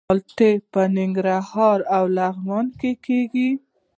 مالټې په ننګرهار او لغمان کې کیږي.